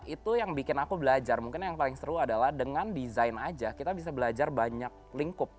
itu yang bikin aku belajar mungkin yang paling seru adalah dengan desain aja kita bisa belajar banyak lingkup